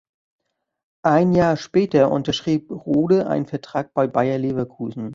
Ein Jahr später unterschrieb Rode einen Vertrag bei Bayer Leverkusen.